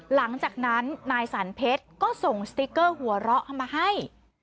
หลังจากนั้นนายสรรเพชรก็ส่งสติ๊กเกอร์หัวเราะมาให้